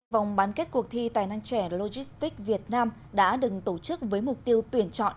vòng bán kết cuộc thi tài năng trẻ logistics việt nam đã đừng tổ chức với mục tiêu tuyển chọn